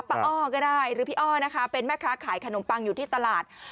อ้อก็ได้หรือพี่อ้อนะคะเป็นแม่ค้าขายขนมปังอยู่ที่ตลาด